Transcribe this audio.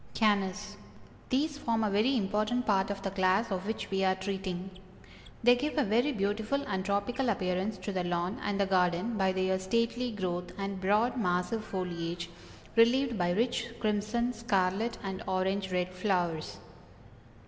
_ CANNAS. These form a very important part of the class of which we are treating. They give a very beautiful and tropical appearance to the lawn and the garden by their stately growth and broad massive foliage, relieved by rich crimson, scarlet and orange red flowers.